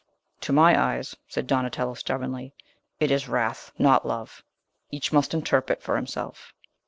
"To my eyes," said Donatello stubbornly, "it is wrath, not love! Each must interpret for himself."